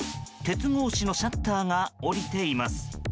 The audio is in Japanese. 鉄格子のシャッターが下りています。